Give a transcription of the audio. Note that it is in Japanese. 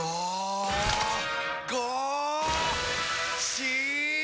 し！